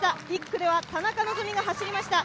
１区では田中希実が走りました。